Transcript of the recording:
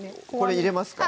入れます